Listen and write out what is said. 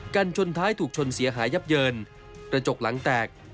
ชนท้ายถูกชนเสียหายยับเยินกระจกหลังแตก